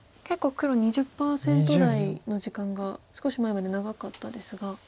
結構黒２０％台の時間が少し前まで長かったですが。